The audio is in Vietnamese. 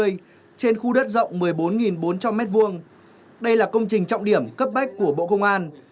trên khu đất rộng một mươi bốn bốn trăm linh m hai đây là công trình trọng điểm cấp bách của bộ công an